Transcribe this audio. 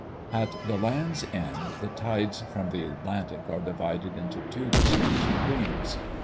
At the Land's End the tides from the Atlantic are divided into two distinct streams.